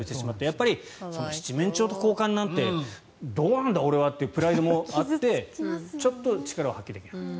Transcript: やっぱり七面鳥と交換なんてどうなんだ、俺はというプライドもあってちょっと力を発揮できなかった。